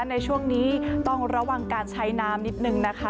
ในช่วงนี้ต้องระวังการใช้น้ำนิดนึงนะคะ